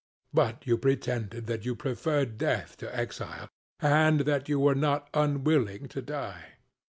But you pretended that you preferred death to exile (compare Apol.), and that you were not unwilling to die.